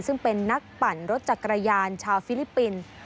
ซึ่งเป็นนักปั่นรถจักรยานชาวฟิลิปปินส์